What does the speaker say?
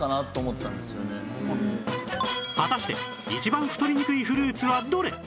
果たして一番太りにくいフルーツはどれ？